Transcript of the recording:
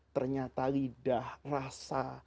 ternyata lidah rasa